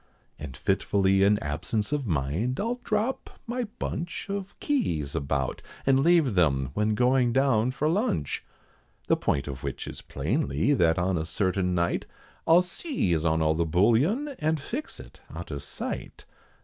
And fitfully in absence of mind, I'll drop my bunch Of keys about, and leave them when going down for lunch. The point of which is plainly, that on a certain night, I'll seize on all the Bullion, and fix it out of sight.